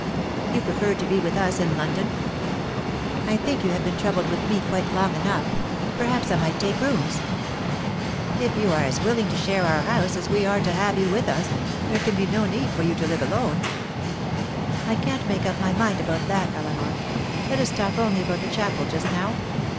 "You prefer to be with us in London?" "I think you have been troubled with me quite long enough. Perhaps I might take rooms." "If you are as willing to share our house as we are to have you with us, there can be no need for you to live alone." "I can't make up my mind about that, Eleanor. Let us talk only about the chapel just now.